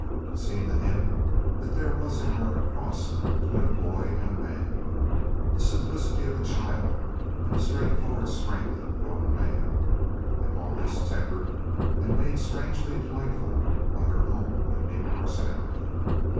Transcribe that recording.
It seemed to him that there was in her a cross between a boy and a man the simplicity of a child and the straightforward strength of a grown man, and all this tempered and made strangely delightful by her own unique personality.